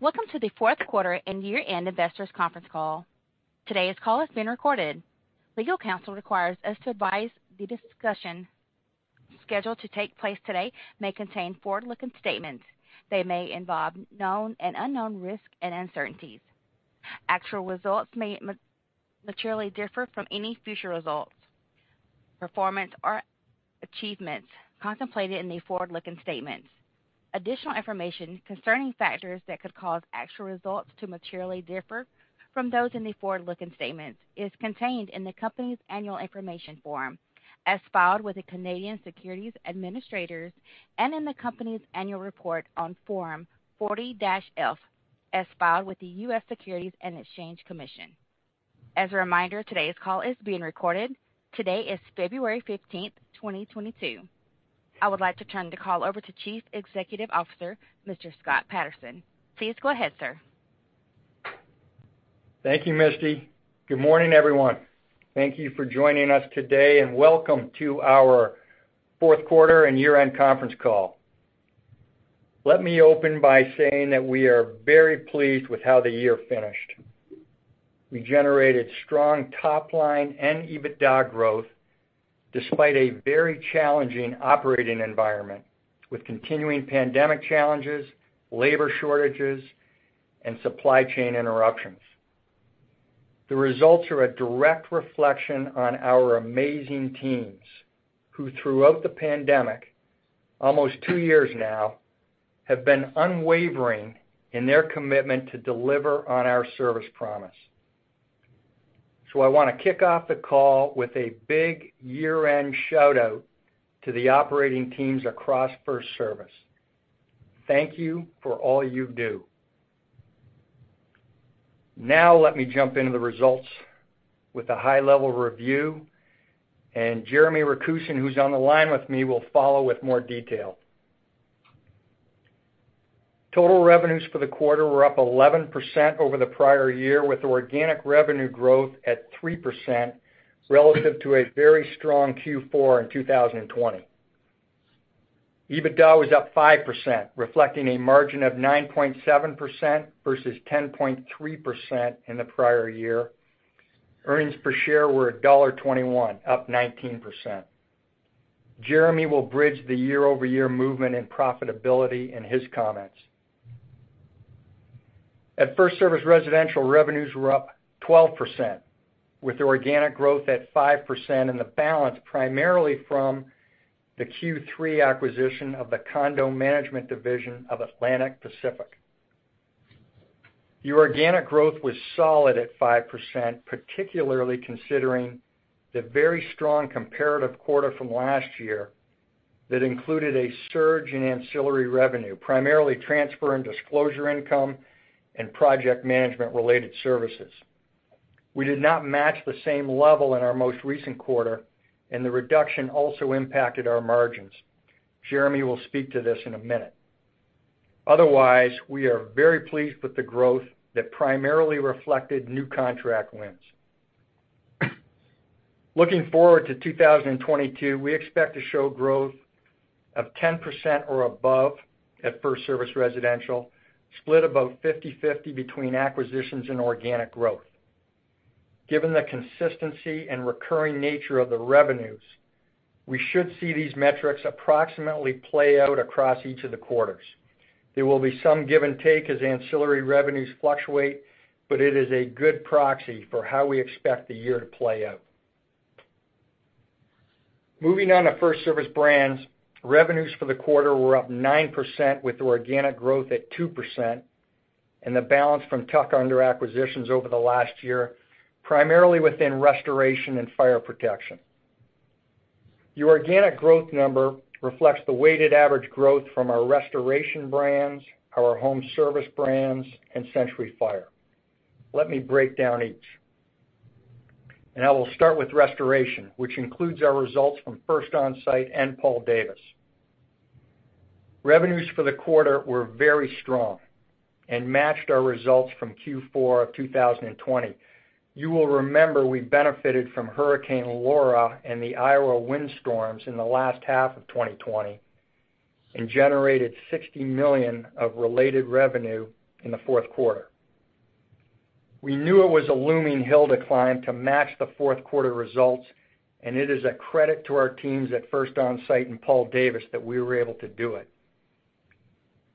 Welcome to the Fourth Quarter and Year-End Investors Conference Call. Today's call is being recorded. Legal counsel requires us to advise the discussion scheduled to take place today may contain forward-looking statements. They may involve known and unknown risks and uncertainties. Actual results may materially differ from any future results, performance, or achievements contemplated in the forward-looking statements. Additional information concerning factors that could cause actual results to materially differ from those in the forward-looking statements is contained in the company's annual information form as filed with the Canadian Securities Administrators and in the company's annual report on Form 40-F, as filed with the U.S. Securities and Exchange Commission. As a reminder, today's call is being recorded. Today is February 15, 2022. I would like to turn the call over to Chief Executive Officer, Mr. Scott Patterson. Please go ahead, sir. Thank you, Misty. Good morning, everyone. Thank you for joining us today, and welcome to our fourth quarter and year-end conference call. Let me open by saying that we are very pleased with how the year finished. We generated strong top line and EBITDA growth despite a very challenging operating environment, with continuing pandemic challenges, labor shortages, and supply chain interruptions. The results are a direct reflection on our amazing teams who, throughout the pandemic, almost two years now, have been unwavering in their commitment to deliver on our service promise. I wanna kick off the call with a big year-end shout-out to the operating teams across FirstService. Thank you for all you do. Now let me jump into the results with a high-level review, and Jeremy Rakusin, who's on the line with me, will follow with more detail. Total revenues for the quarter were up 11% over the prior year, with organic revenue growth at 3% relative to a very strong Q4 in 2020. EBITDA was up 5%, reflecting a margin of 9.7% versus 10.3% in the prior year. Earnings per share were $1.21, up 19%. Jeremy will bridge the year-over-year movement and profitability in his comments. At FirstService Residential, revenues were up 12%, with organic growth at 5% and the balance primarily from the Q3 acquisition of the condo management division of Atlantic | Pacific. The organic growth was solid at 5%, particularly considering the very strong comparative quarter from last year that included a surge in ancillary revenue, primarily transfer and disclosure income and project management related services. We did not match the same level in our most recent quarter, and the reduction also impacted our margins. Jeremy will speak to this in a minute. Otherwise, we are very pleased with the growth that primarily reflected new contract wins. Looking forward to 2022, we expect to show growth of 10% or above at FirstService Residential, split about 50/50 between acquisitions and organic growth. Given the consistency and recurring nature of the revenues, we should see these metrics approximately play out across each of the quarters. There will be some give and take as ancillary revenues fluctuate, but it is a good proxy for how we expect the year to play out. Moving on to FirstService Brands, revenues for the quarter were up 9% with organic growth at 2% and the balance from tuck-under acquisitions over the last year, primarily within restoration and fire protection. The organic growth number reflects the weighted average growth from our restoration brands, our home service brands, and Century Fire. Let me break down each. I will start with restoration, which includes our results from First Onsite and Paul Davis. Revenues for the quarter were very strong and matched our results from Q4 of 2020. You will remember we benefited from Hurricane Laura and the Iowa windstorms in the last half of 2020 and generated $60 million of related revenue in the fourth quarter. We knew it was a looming hill to climb to match the fourth quarter results, and it is a credit to our teams at First Onsite and Paul Davis that we were able to do it.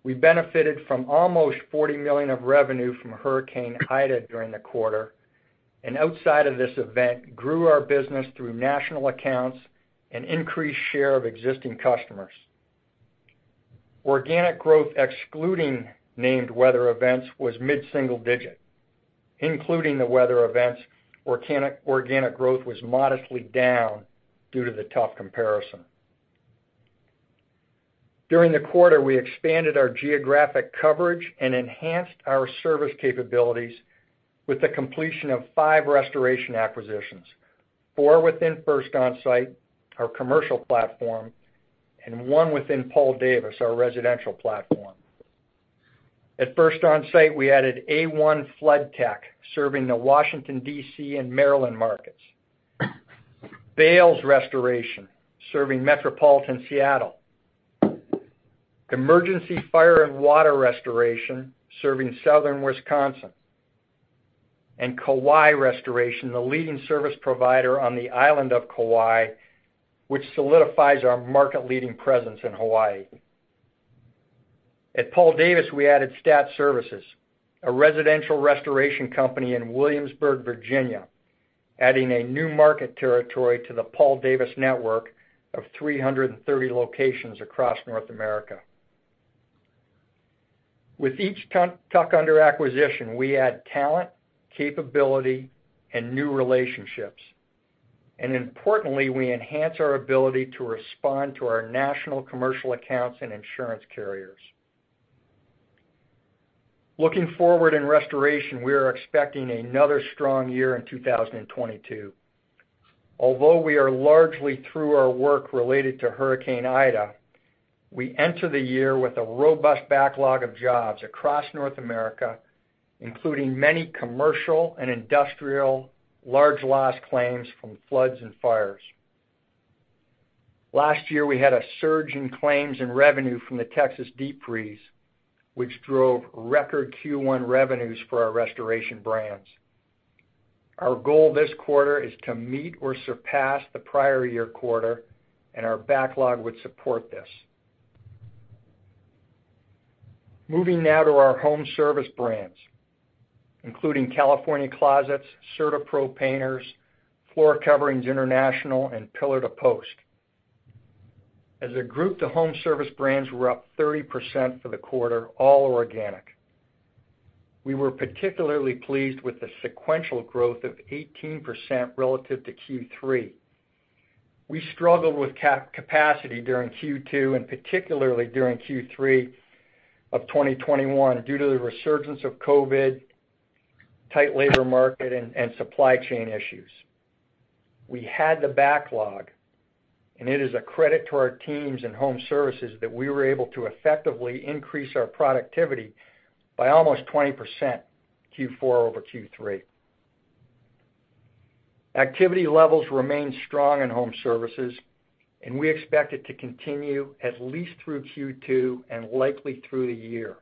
We benefited from almost $40 million of revenue from Hurricane Ida during the quarter, and outside of this event, grew our business through national accounts and increased share of existing customers. Organic growth excluding named weather events was mid-single digit. Including the weather events, organic growth was modestly down due to the tough comparison. During the quarter, we expanded our geographic coverage and enhanced our service capabilities with the completion of 5 restoration acquisitions, 4 within First Onsite, our commercial platform, and 1 within Paul Davis, our residential platform. At First Onsite, we added A-1 Flood Tech, serving the Washington, D.C., and Maryland markets. Bales Restoration, serving metropolitan Seattle. Emergency Fire & Water Restoration, serving southern Wisconsin. Kaua'i Restoration, the leading service provider on the island of Kauai, which solidifies our market-leading presence in Hawaii. At Paul Davis, we added STAT Services, a residential restoration company in Williamsburg, Virginia, adding a new market territory to the Paul Davis network of 330 locations across North America. With each tuck under acquisition, we add talent, capability, and new relationships. Importantly, we enhance our ability to respond to our national commercial accounts and insurance carriers. Looking forward in restoration, we are expecting another strong year in 2022. Although we are largely through our work related to Hurricane Ida, we enter the year with a robust backlog of jobs across North America, including many commercial and industrial large loss claims from floods and fires. Last year, we had a surge in claims and revenue from the Texas deep freeze, which drove record Q1 revenues for our restoration brands. Our goal this quarter is to meet or surpass the prior year quarter, and our backlog would support this. Moving now to our home service brands, including California Closets, CertaPro Painters, Floor Coverings International, and Pillar To Post. As a group, the home service brands were up 30% for the quarter, all organic. We were particularly pleased with the sequential growth of 18% relative to Q3. We struggled with capacity during Q2 and particularly during Q3 of 2021 due to the resurgence of COVID, tight labor market, and supply chain issues. We had the backlog, and it is a credit to our teams in home services that we were able to effectively increase our productivity by almost 20% Q4 over Q3. Activity levels remain strong in home services, and we expect it to continue at least through Q2 and likely through the year.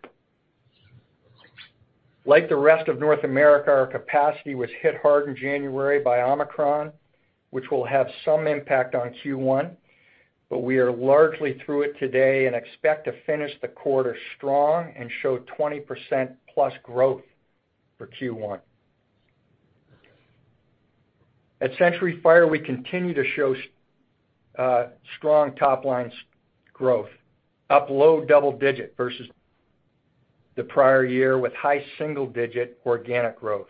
Like the rest of North America, our capacity was hit hard in January by Omicron, which will have some impact on Q1, but we are largely through it today and expect to finish the quarter strong and show 20%+ growth for Q1. At Century Fire, we continue to show strong top line growth, up low double digit versus the prior year with high single digit organic growth.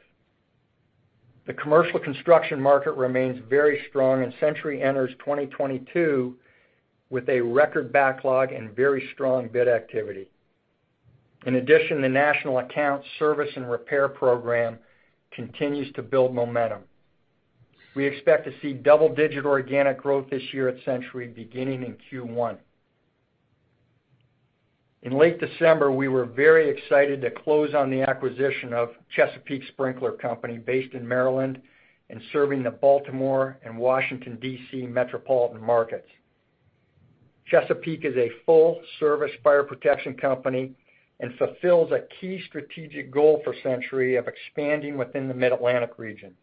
The commercial construction market remains very strong, and Century enters 2022 with a record backlog and very strong bid activity. In addition, the national account service and repair program continues to build momentum. We expect to see double-digit organic growth this year at Century beginning in Q1. In late December, we were very excited to close on the acquisition of Chesapeake Sprinkler Company based in Maryland and serving the Baltimore and Washington, D.C. metropolitan markets. Chesapeake is a full-service fire protection company and fulfills a key strategic goal for Century of expanding within the Mid-Atlantic region.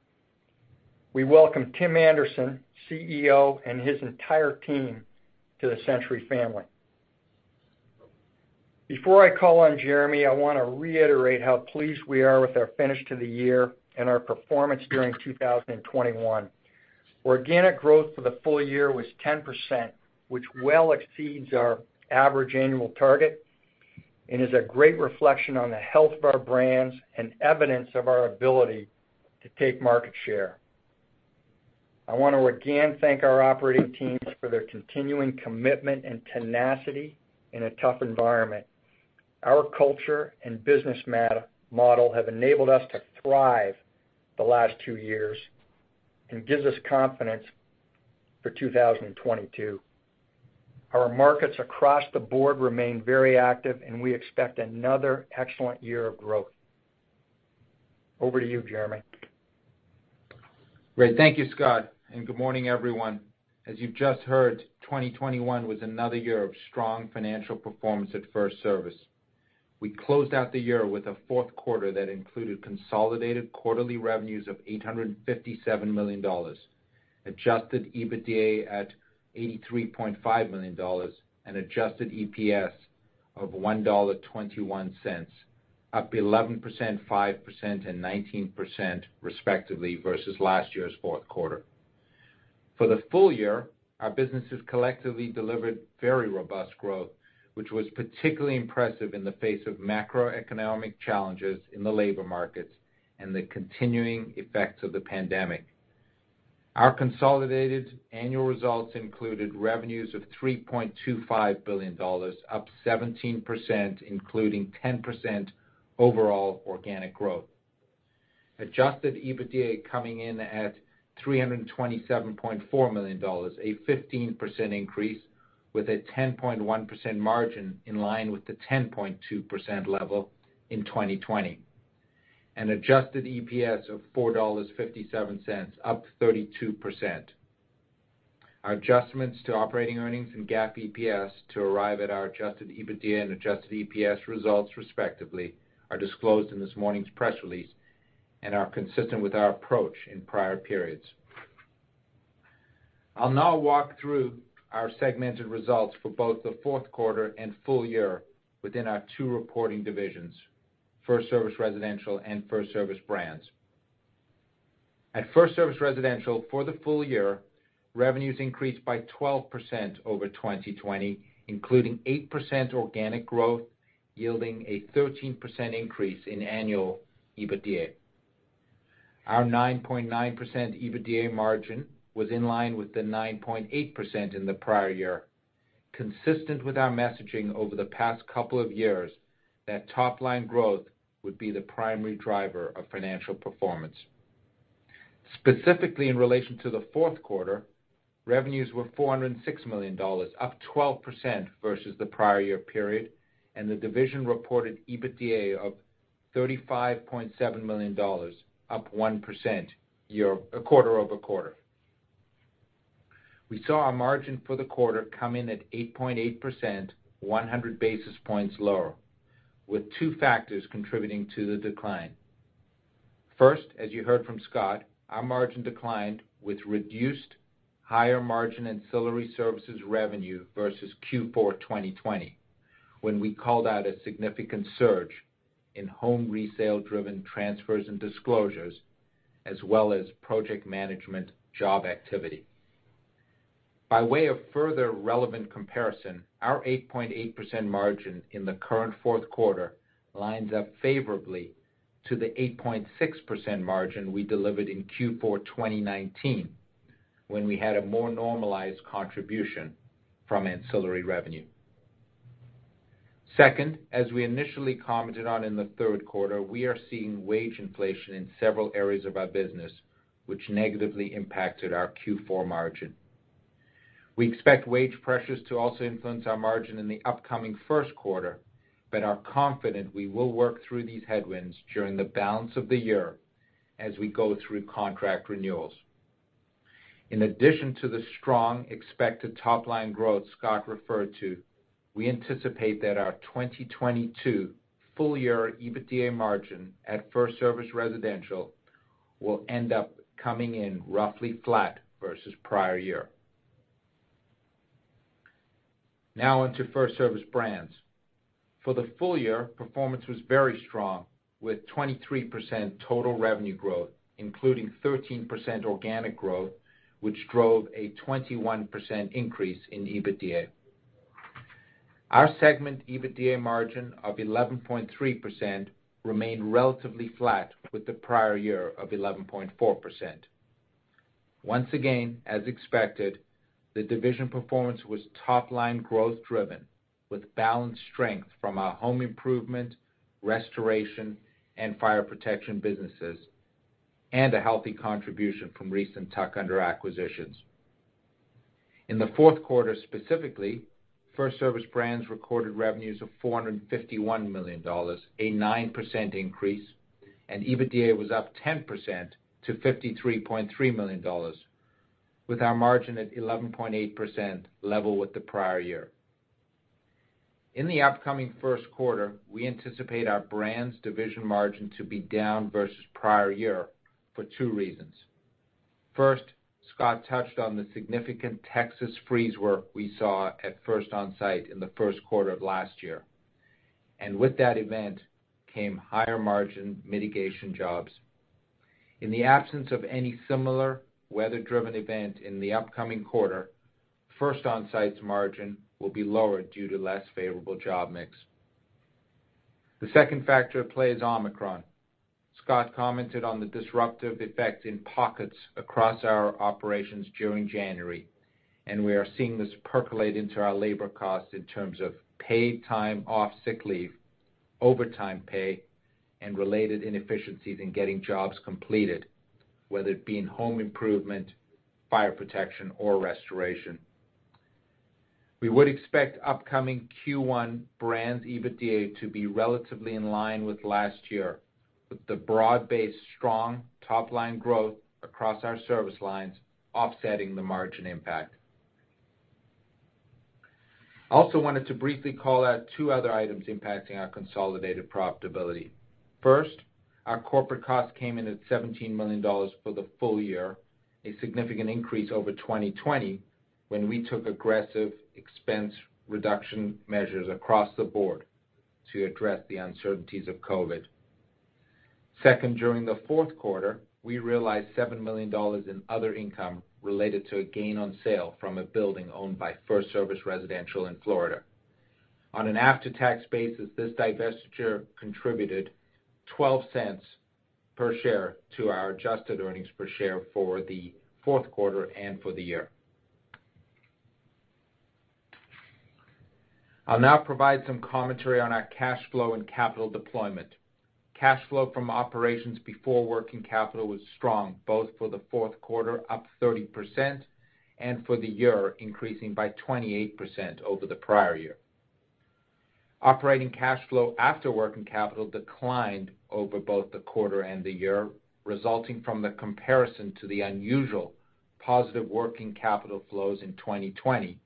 We welcome Tim Anderson, CEO, and his entire team to the Century family. Before I call on Jeremy, I want to reiterate how pleased we are with our finish to the year and our performance during 2021. Organic growth for the full year was 10%, which well exceeds our average annual target and is a great reflection on the health of our brands and evidence of our ability to take market share. I want to again thank our operating teams for their continuing commitment and tenacity in a tough environment. Our culture and business model have enabled us to thrive the last two years and gives us confidence for 2022. Our markets across the board remain very active, and we expect another excellent year of growth. Over to you, Jeremy. Great. Thank you, Scott, and good morning, everyone. As you just heard, 2021 was another year of strong financial performance at FirstService. We closed out the year with a fourth quarter that included consolidated quarterly revenues of $857 million, Adjusted EBITDA at $83.5 million, and Adjusted EPS of $1.21, up 11%, 5%, and 19% respectively versus last year's fourth quarter. For the full year, our businesses collectively delivered very robust growth, which was particularly impressive in the face of macroeconomic challenges in the labor markets and the continuing effects of the pandemic. Our consolidated annual results included revenues of $3.25 billion, up 17%, including 10% overall organic growth. Adjusted EBITDA coming in at $327.4 million, a 15% increase with a 10.1% margin in line with the 10.2% level in 2020. Adjusted EPS of $4.57, up 32%. Our adjustments to operating earnings and GAAP EPS to arrive at our Adjusted EBITDA and Adjusted EPS results respectively are disclosed in this morning's press release and are consistent with our approach in prior periods. I'll now walk through our segmented results for both the fourth quarter and full year within our two reporting divisions, FirstService Residential and FirstService Brands. At FirstService Residential for the full year, revenues increased by 12% over 2020, including 8% organic growth, yielding a 13% increase in annual EBITDA. Our 9.9% EBITDA margin was in line with the 9.8% in the prior year, consistent with our messaging over the past couple of years that top line growth would be the primary driver of financial performance. Specifically in relation to the fourth quarter, revenues were $406 million, up 12% versus the prior year period, and the division reported EBITDA of $35.7 million, up 1% quarter-over-quarter. We saw our margin for the quarter come in at 8.8%, 100 basis points lower, with two factors contributing to the decline. First, as you heard from Scott, our margin declined with reduced higher margin ancillary services revenue versus Q4 2020, when we called out a significant surge in home resale-driven transfers and disclosures, as well as project management job activity. By way of further relevant comparison, our 8.8% margin in the current fourth quarter lines up favorably to the 8.6% margin we delivered in Q4 2019, when we had a more normalized contribution from ancillary revenue. Second, as we initially commented on in the third quarter, we are seeing wage inflation in several areas of our business, which negatively impacted our Q4 margin. We expect wage pressures to also influence our margin in the upcoming first quarter, but are confident we will work through these headwinds during the balance of the year as we go through contract renewals. In addition to the strong expected top-line growth Scott referred to, we anticipate that our 2022 full year EBITDA margin at FirstService Residential will end up coming in roughly flat versus prior year. Now on to FirstService Brands. For the full year, performance was very strong, with 23% total revenue growth, including 13% organic growth, which drove a 21% increase in EBITDA. Our segment EBITDA margin of 11.3% remained relatively flat with the prior year of 11.4%. Once again, as expected, the division performance was top-line growth driven with balanced strength from our home improvement, restoration, and fire protection businesses, and a healthy contribution from recent tuck-in acquisitions. In the fourth quarter specifically, FirstService Brands recorded revenues of $451 million, a 9% increase, and EBITDA was up 10% to $53.3 million, with our margin at 11.8% level with the prior year. In the upcoming first quarter, we anticipate our brands division margin to be down versus prior year for two reasons. First, Scott touched on the significant Texas freeze work we saw at First Onsite in the first quarter of last year. With that event came higher margin mitigation jobs. In the absence of any similar weather-driven event in the upcoming quarter, First Onsite's margin will be lower due to less favorable job mix. The second factor at play is Omicron. Scott commented on the disruptive effect in pockets across our operations during January, and we are seeing this percolate into our labor costs in terms of paid time off sick leave, overtime pay, and related inefficiencies in getting jobs completed, whether it be in home improvement, fire protection, or restoration. We would expect upcoming Q1 Brands EBITDA to be relatively in line with last year, with the broad-based strong top-line growth across our service lines offsetting the margin impact. I also wanted to briefly call out two other items impacting our consolidated profitability. First, our corporate costs came in at $17 million for the full year, a significant increase over 2020, when we took aggressive expense reduction measures across the board to address the uncertainties of COVID. Second, during the fourth quarter, we realized $7 million in other income related to a gain on sale from a building owned by FirstService Residential in Florida. On an after-tax basis, this divestiture contributed $0.12 per share to our adjusted earnings per share for the fourth quarter and for the year. I'll now provide some commentary on our cash flow and capital deployment. Cash flow from operations before working capital was strong, both for the fourth quarter, up 30%, and for the year, increasing by 28% over the prior year. Operating cash flow after working capital declined over both the quarter and the year, resulting from the comparison to the unusual positive working capital flows in 2020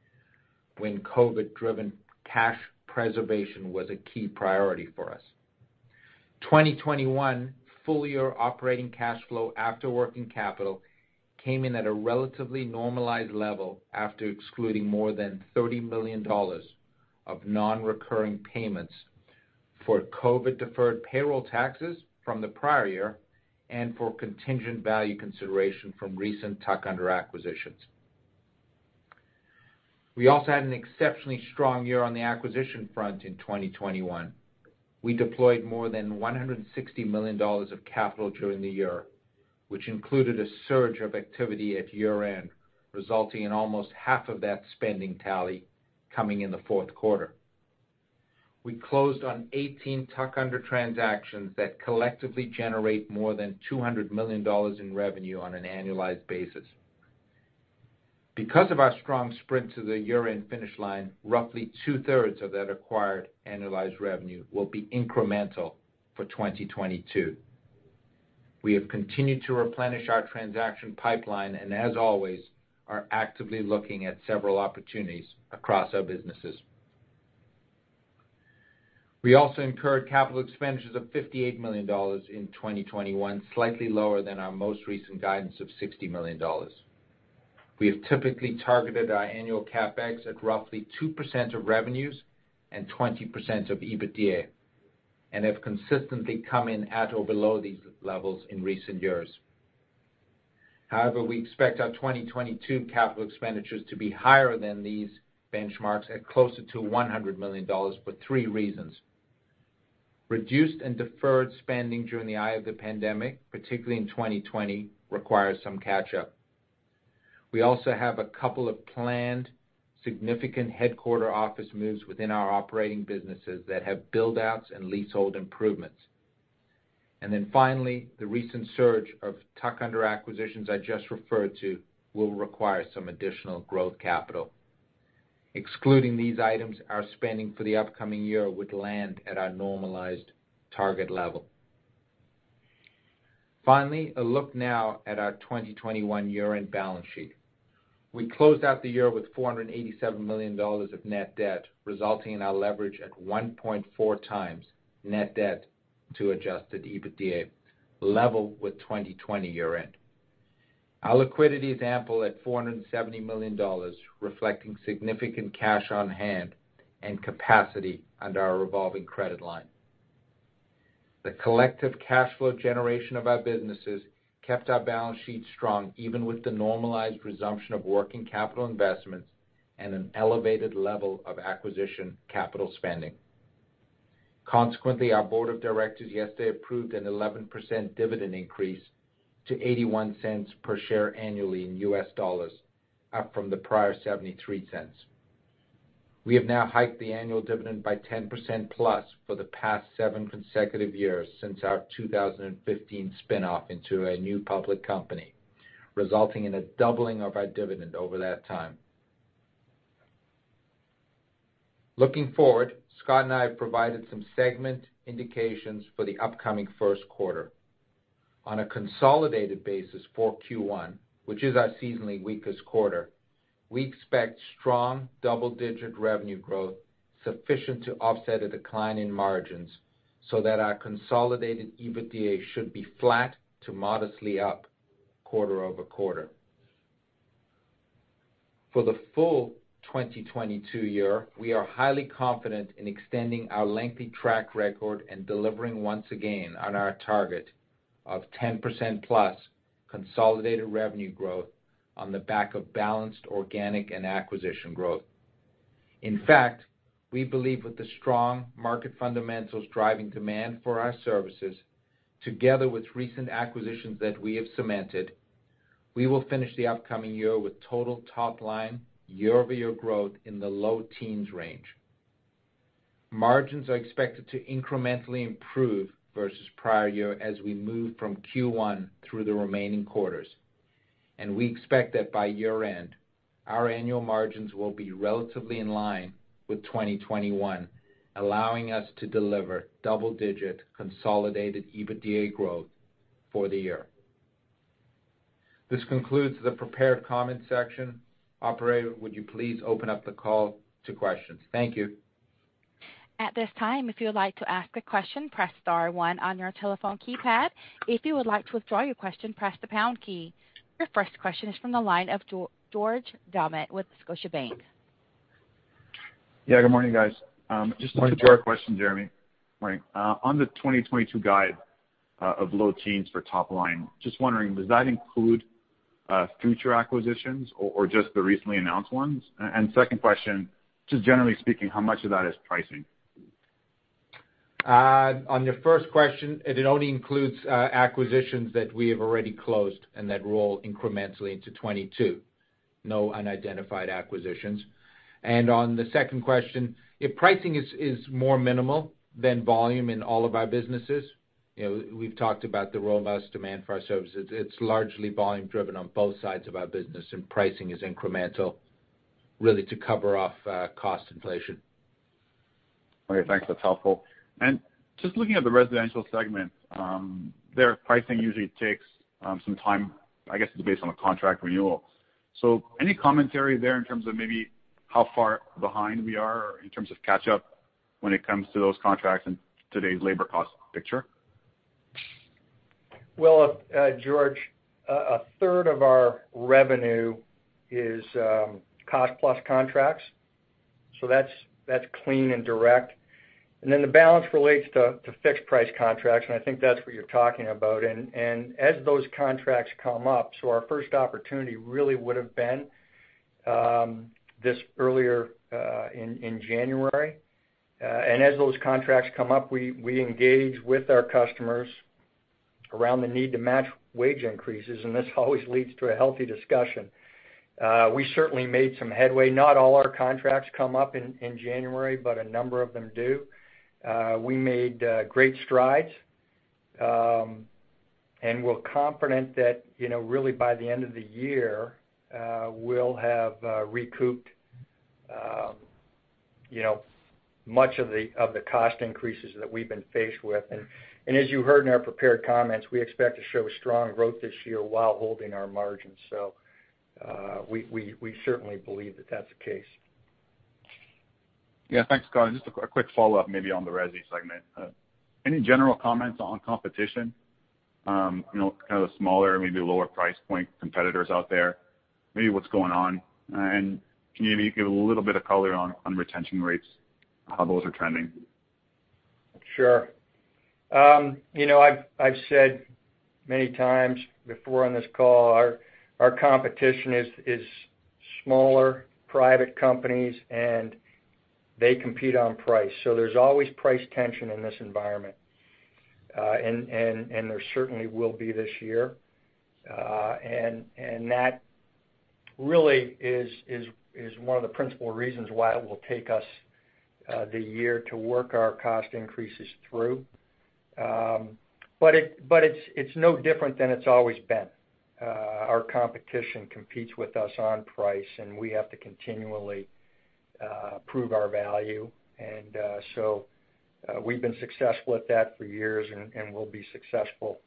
when COVID-driven cash preservation was a key priority for us. 2021 full year operating cash flow after working capital came in at a relatively normalized level after excluding more than $30 million of non-recurring payments for COVID deferred payroll taxes from the prior year and for contingent value consideration from recent tuck-under acquisitions. We also had an exceptionally strong year on the acquisition front in 2021. We deployed more than $160 million of capital during the year, which included a surge of activity at year-end, resulting in almost half of that spending tally coming in the fourth quarter. We closed on 18 tuck under transactions that collectively generate more than $200 million in revenue on an annualized basis. Because of our strong sprint to the year-end finish line, roughly two-thirds of that acquired annualized revenue will be incremental for 2022. We have continued to replenish our transaction pipeline and as always, are actively looking at several opportunities across our businesses. We also incurred capital expenditures of $58 million in 2021, slightly lower than our most recent guidance of $60 million. We have typically targeted our annual CapEx at roughly 2% of revenues and 20% of EBITDA, and have consistently come in at or below these levels in recent years. However, we expect our 2022 capital expenditures to be higher than these benchmarks at closer to $100 million for three reasons. Reduced and deferred spending during the eye of the pandemic, particularly in 2020, requires some catch-up. We also have a couple of planned significant headquarters office moves within our operating businesses that have build-outs and leasehold improvements. Finally, the recent surge of tuck-in acquisitions I just referred to will require some additional growth capital. Excluding these items, our spending for the upcoming year would land at our normalized target level. Finally, a look now at our 2021 year-end balance sheet. We closed out the year with $487 million of net debt, resulting in our leverage at 1.4x net debt to Adjusted EBITDA, level with 2020 year-end. Our liquidity is ample at $470 million, reflecting significant cash on hand and capacity under our revolving credit line. The collective cash flow generation of our businesses kept our balance sheet strong, even with the normalized resumption of working capital investments and an elevated level of acquisition capital spending. Consequently, our board of directors yesterday approved an 11% dividend increase to $0.81 per share annually in U.S. dollars, up from the prior $0.73. We have now hiked the annual dividend by 10%+ for the past seven consecutive years since our 2015 spinoff into a new public company, resulting in a doubling of our dividend over that time. Looking forward, Scott and I have provided some segment indications for the upcoming first quarter. On a consolidated basis for Q1, which is our seasonally weakest quarter, we expect strong double-digit revenue growth sufficient to offset a decline in margins so that our consolidated EBITDA should be flat to modestly up quarter-over-quarter. For the full 2022 year, we are highly confident in extending our lengthy track record and delivering once again on our target of 10%+ consolidated revenue growth on the back of balanced organic and acquisition growth. In fact, we believe with the strong market fundamentals driving demand for our services, together with recent acquisitions that we have cemented, we will finish the upcoming year with total top line year-over-year growth in the low teens range. Margins are expected to incrementally improve versus prior year as we move from Q1 through the remaining quarters, and we expect that by year-end, our annual margins will be relatively in line with 2021, allowing us to deliver double-digit consolidated EBITDA growth for the year. This concludes the prepared comment section. Operator, would you please open up the call to questions? Thank you. Your first question is from the line of George Doumet with Scotiabank. Yeah, good morning, guys. Morning. Just two short questions, Jeremy. Morning. On the 2022 guide of low teens for top line, just wondering, does that include future acquisitions or just the recently announced ones? Second question, just generally speaking, how much of that is pricing? On your first question, it only includes acquisitions that we have already closed and that roll incrementally into 2022. No unidentified acquisitions. On the second question, if pricing is more minimal than volume in all of our businesses. You know, we've talked about the robust demand for our services. It's largely volume driven on both sides of our business, and pricing is incremental really to cover off cost inflation. Okay, thanks. That's helpful. Just looking at the residential segment, their pricing usually takes some time, I guess, it's based on the contract renewal. Any commentary there in terms of maybe how far behind we are or in terms of catch up when it comes to those contracts in today's labor cost picture? Well, George, a third of our revenue is cost plus contracts, so that's clean and direct. Then the balance relates to fixed price contracts, and I think that's what you're talking about. As those contracts come up, so our first opportunity really would have been this earlier in January. As those contracts come up, we engage with our customers around the need to match wage increases, and this always leads to a healthy discussion. We certainly made some headway. Not all our contracts come up in January, but a number of them do. We made great strides. We're confident that, you know, really by the end of the year, we'll have recouped, you know, much of the cost increases that we've been faced with. As you heard in our prepared comments, we expect to show strong growth this year while holding our margins. We certainly believe that that's the case. Yeah. Thanks, Scott. Just a quick follow-up maybe on the resi segment. Any general comments on competition, you know, kind of the smaller, maybe lower price point competitors out there, maybe what's going on? Can you maybe give a little bit of color on retention rates, how those are trending? Sure. You know, I've said many times before on this call, our competition is smaller private companies, and they compete on price. There's always price tension in this environment. There certainly will be this year. That really is one of the principal reasons why it will take us the year to work our cost increases through. It's no different than it's always been. Our competition competes with us on price, and we have to continually prove our value. We've been successful at that for years and we'll be successful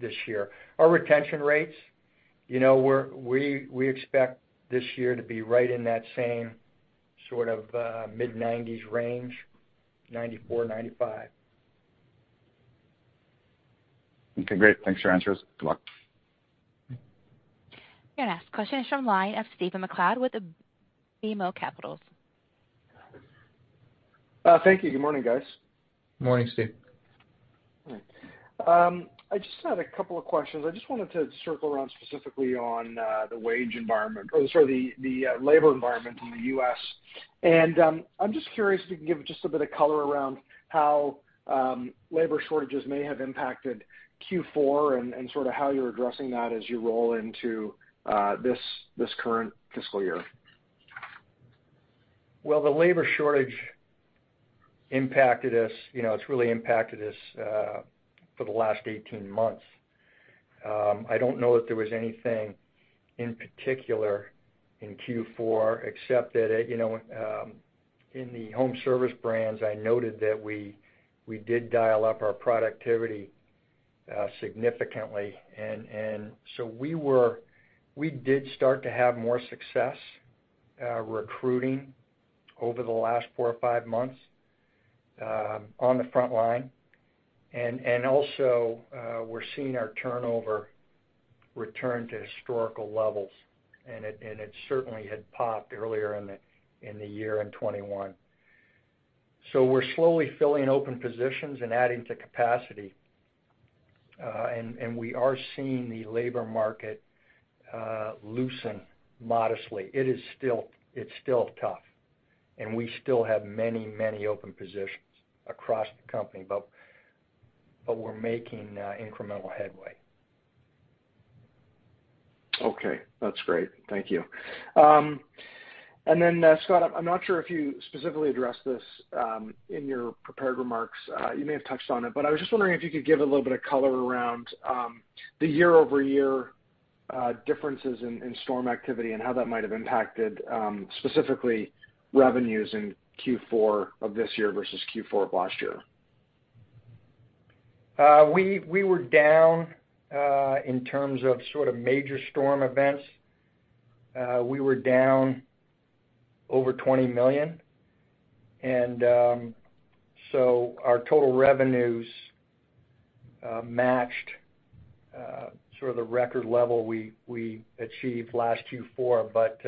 this year. Our retention rates, you know, we expect this year to be right in that same sort of mid-90s range, 94, 95. Okay, great. Thanks for your answers. Good luck. Your next question is from the line of Stephen MacLeod with BMO Capital Markets. Thank you. Good morning, guys. Morning, Steve. All right. I just had a couple of questions. I just wanted to circle around specifically on the wage environment, or sorry, the labor environment in the U.S. I'm just curious if you can give just a bit of color around how labor shortages may have impacted Q4 and sort of how you're addressing that as you roll into this current fiscal year. Well, the labor shortage impacted us, you know, it's really impacted us for the last 18 months. I don't know if there was anything in particular in Q4 except that, you know, in the home service brands, I noted that we did dial up our productivity significantly. So we did start to have more success recruiting over the last 4 or 5 months on the front line. Also, we're seeing our turnover return to historical levels, and it certainly had popped earlier in the year in 2021. We're slowly filling open positions and adding to capacity, and we are seeing the labor market loosen modestly. It's still tough, and we still have many, many open positions across the company, but we're making incremental headway. Okay, that's great. Thank you. Scott, I'm not sure if you specifically addressed this in your prepared remarks. You may have touched on it, but I was just wondering if you could give a little bit of color around the year-over-year differences in storm activity and how that might have impacted specifically revenues in Q4 of this year versus Q4 of last year. We were down in terms of sort of major storm events. We were down over $20 million. Our total revenues matched sort of the record level we achieved last Q4, but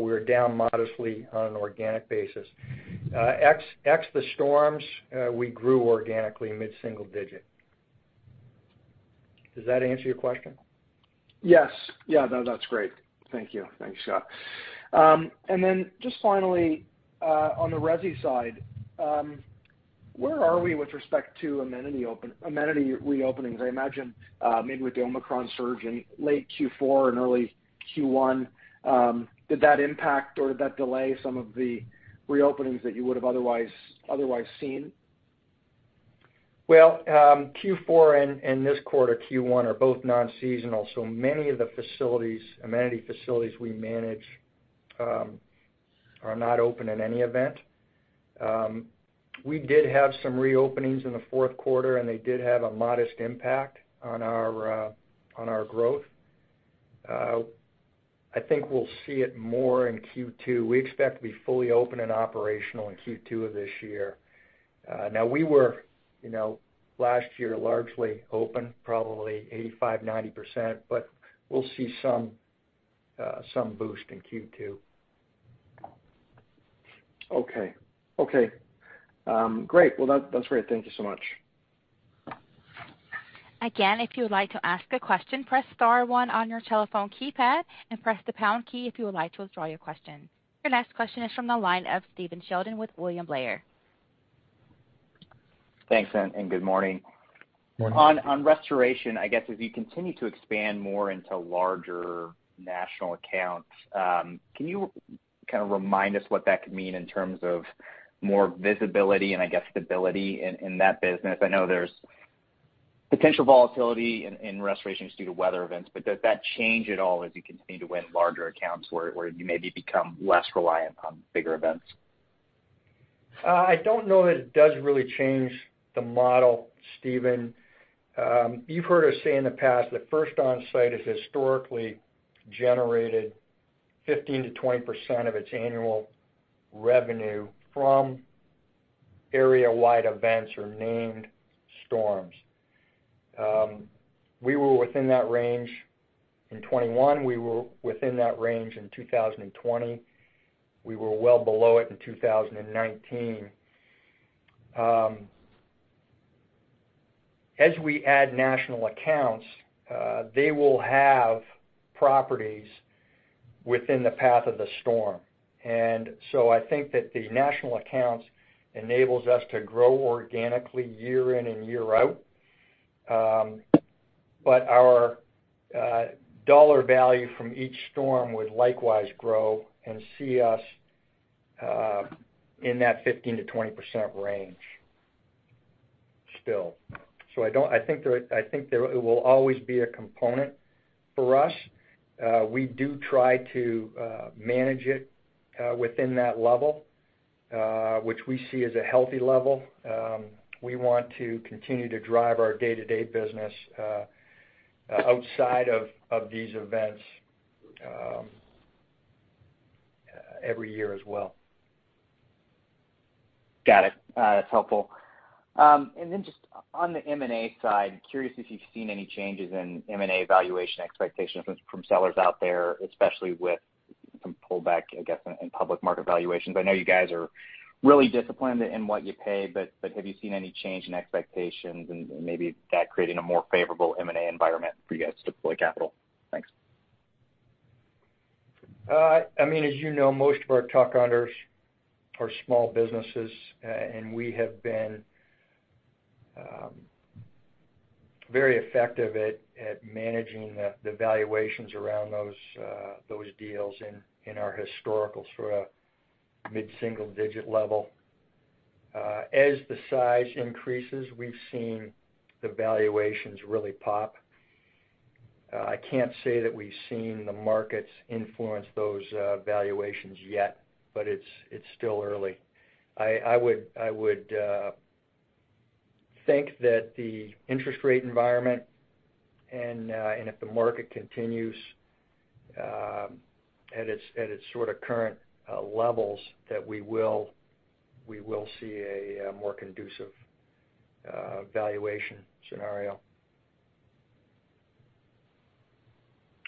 we were down modestly on an organic basis. Ex the storms, we grew organically mid-single-digit%. Does that answer your question? Yes. Yeah, that's great. Thank you. Thanks, Scott. Just finally, on the resi side, where are we with respect to amenity reopenings? I imagine, maybe with the Omicron surge in late Q4 and early Q1, did that impact or did that delay some of the reopenings that you would have otherwise seen? Well, Q4 and this quarter, Q1, are both non-seasonal, so many of the facilities, amenity facilities we manage, are not open in any event. We did have some reopenings in the fourth quarter, and they did have a modest impact on our growth. I think we'll see it more in Q2. We expect to be fully open and operational in Q2 of this year. Now we were, you know, last year largely open probably 85%-90%, but we'll see some boost in Q2. Okay. Great. Well, that's great. Thank you so much. Your next question is from the line of Stephen Sheldon with William Blair. Thanks, and good morning. Morning. On restoration, I guess as you continue to expand more into larger national accounts, can you kind of remind us what that could mean in terms of more visibility and I guess stability in that business? I know there's potential volatility in restorations due to weather events, but does that change at all as you continue to win larger accounts where you maybe become less reliant on bigger events? I don't know that it does really change the model, Stephen. You've heard us say in the past that First Onsite has historically generated 15%-20% of its annual revenue from area-wide events or named storms. We were within that range in 2021. We were within that range in 2020. We were well below it in 2019. As we add national accounts, they will have properties within the path of the storm. I think that the national accounts enables us to grow organically year in and year out. Our dollar value from each storm would likewise grow and see us in that 15%-20% range still. I think there it will always be a component for us. We do try to manage it within that level, which we see as a healthy level. We want to continue to drive our day-to-day business outside of these events every year as well. Got it. That's helpful. Just on the M&A side, curious if you've seen any changes in M&A valuation expectations from sellers out there, especially with some pullback, I guess, in public market valuations. I know you guys are really disciplined in what you pay, but have you seen any change in expectations and maybe that creating a more favorable M&A environment for you guys to deploy capital? Thanks. I mean, as you know, most of our truck owners are small businesses, and we have been very effective at managing the valuations around those deals in our historical sort of mid-single digit level. As the size increases, we've seen the valuations really pop. I can't say that we've seen the markets influence those valuations yet, but it's still early. I would think that the interest rate environment and if the market continues at its sort of current levels, that we will see a more conducive valuation scenario.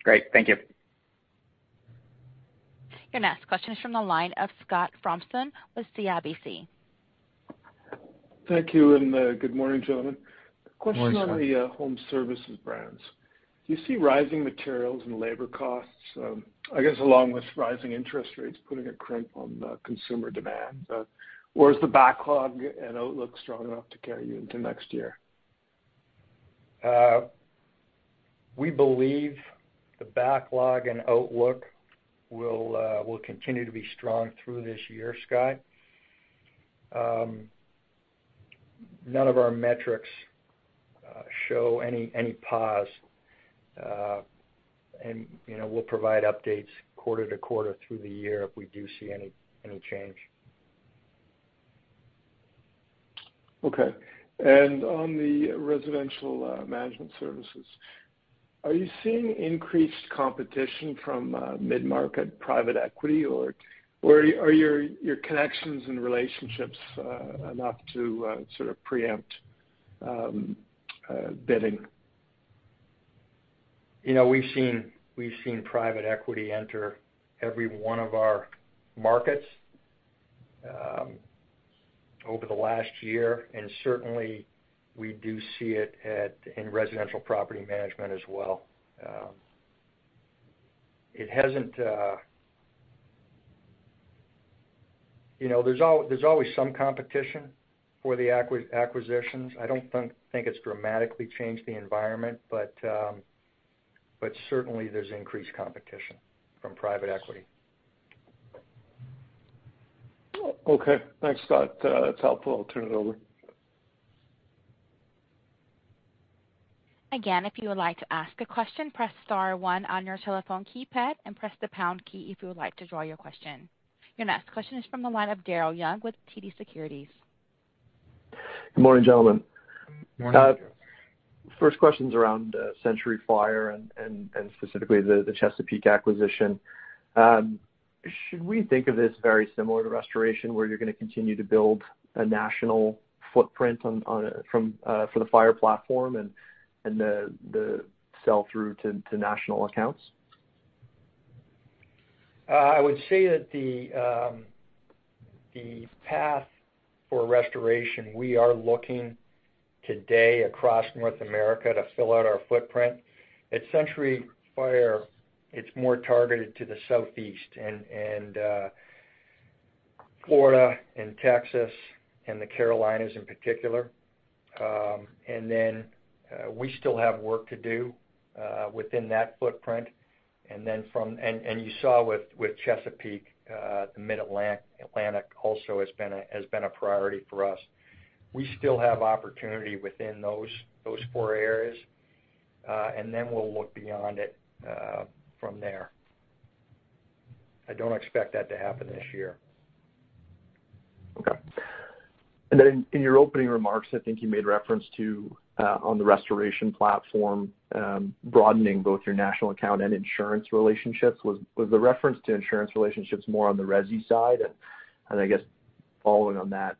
Great. Thank you. Your next question is from the line of Scott Fletcher with CIBC. Thank you, and good morning, gentlemen. Morning, Scott. Question on the home services brands. Do you see rising materials and labor costs, I guess along with rising interest rates, putting a crimp on consumer demand? Or is the backlog and outlook strong enough to carry you into next year? We believe the backlog and outlook will continue to be strong through this year, Scott. None of our metrics show any pause. You know, we'll provide updates quarter to quarter through the year if we do see any change. Okay. On the residential management services, are you seeing increased competition from mid-market private equity or are your connections and relationships enough to sort of preempt bidding? You know, we've seen private equity enter every one of our markets over the last year, and certainly we do see it in residential property management as well. You know, there's always some competition for the acquisitions. I don't think it's dramatically changed the environment, but certainly there's increased competition from private equity. Okay. Thanks, Scott. That's helpful. I'll turn it over. Again, if you would like to ask a question, press star one on your telephone keypad and press the pound key if you would like to withdraw your question. Your next question is from the line of Daryl Young with TD Securities. Good morning, gentlemen. Morning. First question's around Century Fire and specifically the Chesapeake acquisition. Should we think of this very similar to Restoration, where you're gonna continue to build a national footprint for the Fire platform and the sell-through to national accounts? I would say that the path for Restoration, we are looking today across North America to fill out our footprint. At Century Fire, it's more targeted to the Southeast and Florida and Texas and the Carolinas in particular. We still have work to do within that footprint. You saw with Chesapeake, the Mid-Atlantic also has been a priority for us. We still have opportunity within those four areas, and then we'll look beyond it from there. I don't expect that to happen this year. Okay. In your opening remarks, I think you made reference to on the Restoration platform broadening both your national account and insurance relationships. Was the reference to insurance relationships more on the resi side? I guess following on that,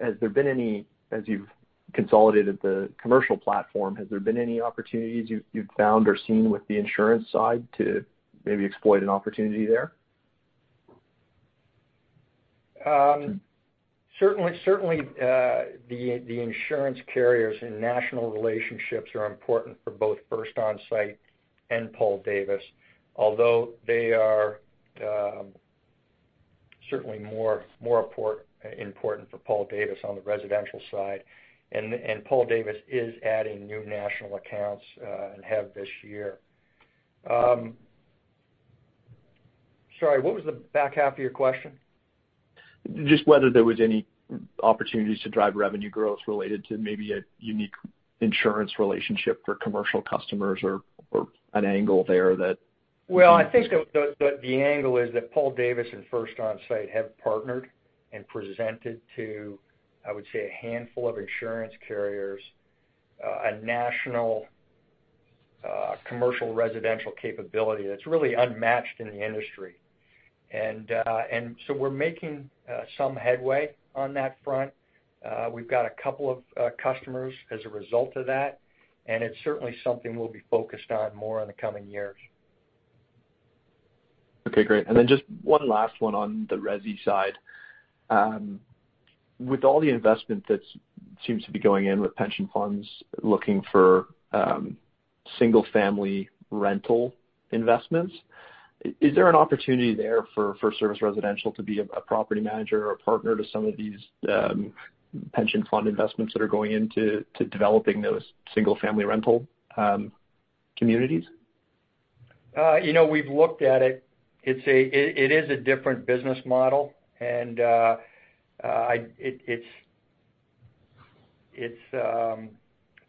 has there been any opportunities, as you've consolidated the commercial platform, you've found or seen with the insurance side to maybe exploit an opportunity there? Certainly, the insurance carriers and national relationships are important for both First Onsite and Paul Davis, although they are certainly more important for Paul Davis on the residential side. Paul Davis is adding new national accounts and have this year. Sorry, what was the back half of your question? Just whether there was any opportunities to drive revenue growth related to maybe a unique insurance relationship for commercial customers or an angle there that Well, I think the angle is that Paul Davis and First Onsite have partnered and presented to, I would say, a handful of insurance carriers, a national, commercial residential capability that's really unmatched in the industry. We're making some headway on that front. We've got a couple of customers as a result of that, and it's certainly something we'll be focused on more in the coming years. Okay, great. Just one last one on the resi side. With all the investment that seems to be going in with pension funds looking for single-family rental investments, is there an opportunity there for FirstService Residential to be a property manager or partner to some of these pension fund investments that are going into developing those single-family rental communities? You know, we've looked at it. It's a different business model and the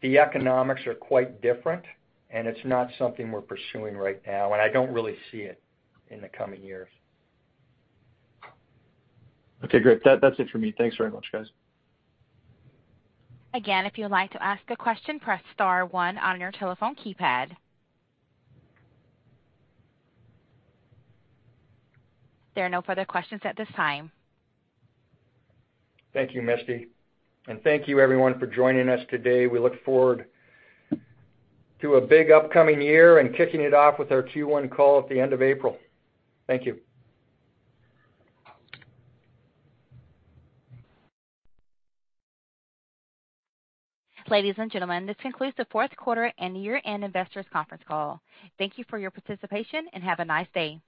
economics are quite different, and it's not something we're pursuing right now, and I don't really see it in the coming years. Okay, great. That's it for me. Thanks very much, guys. Again, if you would like to ask a question, press star one on your telephone keypad. There are no further questions at this time. Thank you, Misty. Thank you everyone for joining us today. We look forward to a big upcoming year and kicking it off with our Q1 call at the end of April. Thank you. Ladies and gentlemen, this concludes the fourth quarter and year-end investors conference call. Thank you for your participation, and have a nice day.